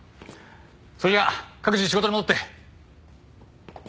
それじゃあ各自仕事に戻って。